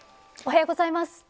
おはようございます。